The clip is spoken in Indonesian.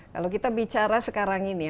kalau kita bicara sekarang ini